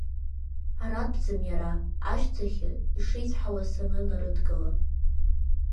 Аратәӡам иара, ашьҭахьы, ишеицәҳауаз санынарыдгыла…